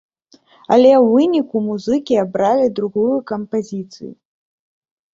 Але ў выніку музыкі абралі другую кампазіцыю.